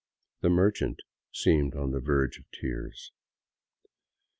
The merchant seemed on the verge of tears.